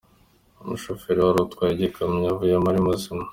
Umushoferi wari utwaye ikamyo yavuyemo ari muzima.